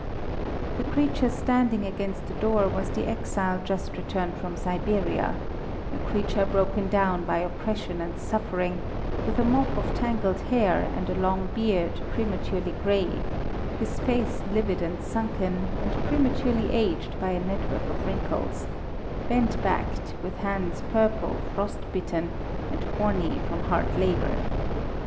The creature standing against the door was the exile just returned from Siberia; a creature broken down by oppression and suffering, with a mop of tangled hair and a long beard prematurely grey; his face livid and sunken, and prematurely aged by a network of wrinkles; bentbacked, with hands purple, frost bitten, and horny from hard labour.